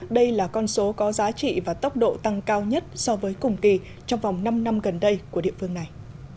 đây là con số có giá trị và tốc độ tăng cao nhất so với cùng kỳ trong vòng năm năm gần đây của địa phương này